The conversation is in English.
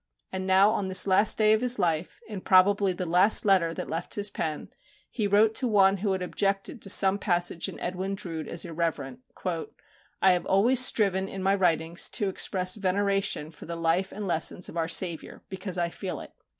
And now, on this last day of his life, in probably the last letter that left his pen, he wrote to one who had objected to some passage in "Edwin Drood" as irreverent: "I have always striven in my writings to express veneration for the life and lessons of our Saviour because I feel it."